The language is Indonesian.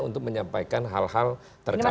untuk menyampaikan hal hal terkait